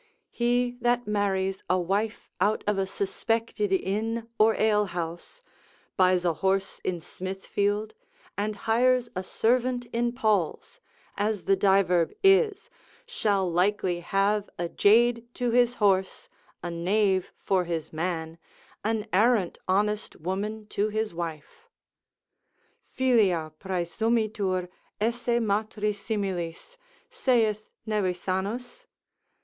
He that marries a wife out of a suspected inn or alehouse, buys a horse in Smithfield, and hires a servant in Paul's, as the diverb is, shall likely have a jade to his horse, a knave for his man, an arrant honest woman to his wife. Filia praesumitur, esse matri similis, saith Nevisanus?